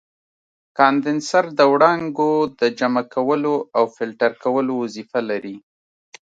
کاندنسر د وړانګو د جمع کولو او فلټر کولو وظیفه لري.